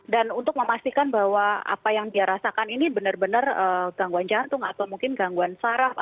dan untuk memastikan bahwa apa yang dia rasakan ini benar benar gangguan jantung atau mungkin gangguan saraf